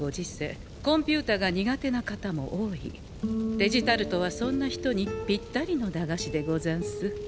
デジタルトはそんな人にぴったりの駄菓子でござんす。